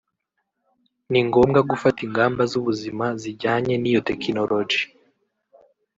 ni ngombwa gufata ingamba z’ubuzima zijyanye n’iyo tekinoloji